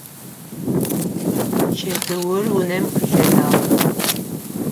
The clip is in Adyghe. Чэтыур унэм къилъэдагъ.